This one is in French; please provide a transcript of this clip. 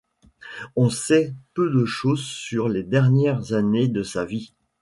On sait peu de choses sur les dernières années de sa vie.